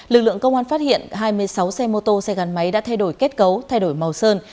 lực lượng công an phát hiện hai mươi sáu xe mô tô xe gắn máy đã thay đổi kết cấu thay đổi màu sơn